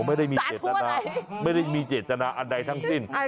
สาภูก่อนไม่ได้มีเจตนาอันใดทั้งสิ้น